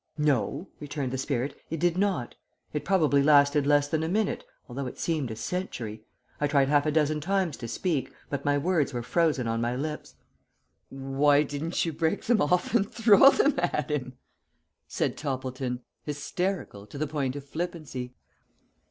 "No," returned the spirit, "it did not. It probably lasted less than a minute, although it seemed a century. I tried half a dozen times to speak, but my words were frozen on my lips." "Why didn't you break them off and throw them at him?" suggested Toppleton, hysterical to the point of flippancy.